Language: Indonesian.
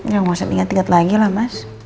gak usah ingat ingat lagi lah mas